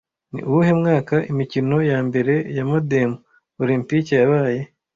Ni uwuhe mwaka imikino ya mbere ya modem olempike yabaye